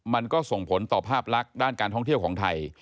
มันก็ส่งผลต่อภาพลักษณ์ด้านการท่องเที่ยวของไทย